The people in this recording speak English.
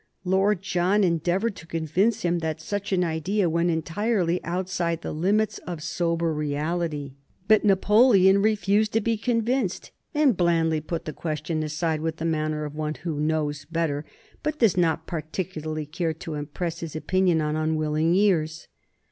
Lord John endeavored to convince him that such an idea went entirely outside the limits of sober reality; but Napoleon refused to be convinced, and blandly put the question aside with the manner of one who knows better but does not particularly care to impress his opinion on unwilling ears.